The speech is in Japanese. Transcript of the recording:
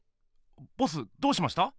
ボスどうしました？